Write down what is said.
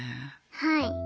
はい。